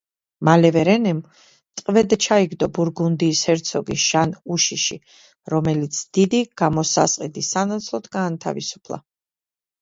მალევე რენემ ტყვედ ჩაიგდო ბურგუნდიის ჰერცოგი ჟან უშიში, რომელიც დიდი გამოსასყიდის სანაცვლოდ გაანთავისუფლა.